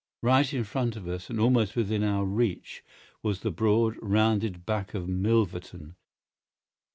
Right in front of us, and almost within our reach, was the broad, rounded back of Milverton.